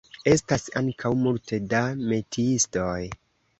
Estas ankaŭ multe da metiistoj.